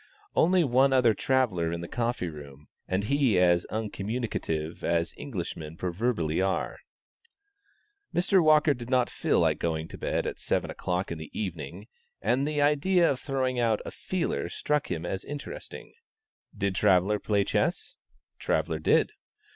Only one other traveller in the coffee room, and he as uncommunicative as Englishmen proverbially are. Mr. Walker did not feel like going to bed at seven o'clock in the evening, and the idea of throwing out "a feeler" struck him as interesting. "Did Traveller play chess?" Traveller did.